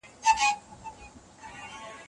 خپل مخ په پاکو اوبو سره تازه وساتئ.